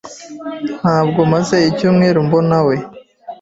Ntabwo maze icyumweru mbonawe .